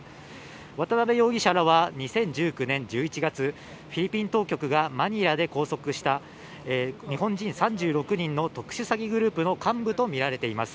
渡辺容疑者らは２０１９年１１月、フィリピン当局がマニラで拘束した日本人３６人の特殊詐欺グループの幹部とみられています。